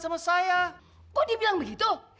sama saya kok dia bilang begitu